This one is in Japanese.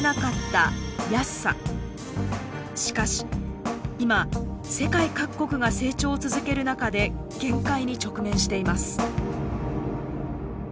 しかし今世界各国が成長を続ける中で限界に直面しています。